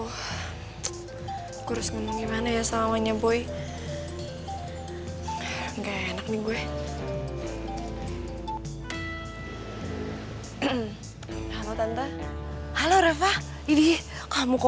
hei mau kemana kamu tuh